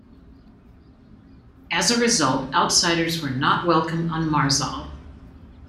As a result, outsiders were not welcome on Marzal.